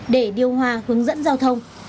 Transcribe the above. để điều hòa hướng dẫn giao thông